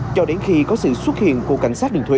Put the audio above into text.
cho đến khi có sự xuất hiện của cảnh sát đường thuế